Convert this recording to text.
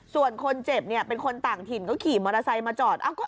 ส่วนคนเจ็บเนี่ยเป็นคนต่างถิ่นก็ขี่มอเตอร์ไซค์มาจอด